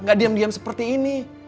gak diam diam seperti ini